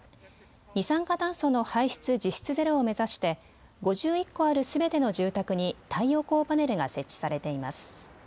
二酸化炭素の排出、実質ゼロを目指して５１戸あるすべての住宅に太陽光パネルが設置されています。